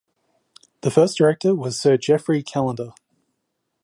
The first Director was Sir Geoffrey Callender.